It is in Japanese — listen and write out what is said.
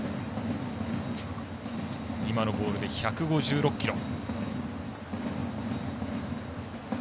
今のボールで１５６キロ。